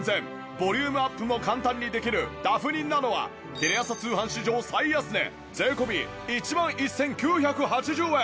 ボリュームアップも簡単にできるダフニｎａｎｏはテレ朝通販史上最安値税込１万１９８０円。